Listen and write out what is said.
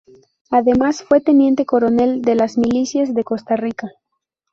Además fue teniente coronel de las milicias de Costa Rica.